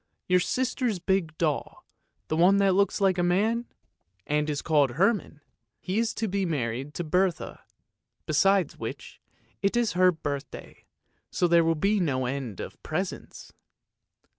Your sister's big doll, the one which looks like a man, and is 356 ANDERSEN'S FAIRY TALES called Herman, is to be married to Bertha; besides which, it is her birthday, so there will be no end of presents."